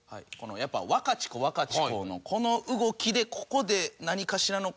やっぱ「ワカチコワカチコ」のこの動きでここで何かしらの。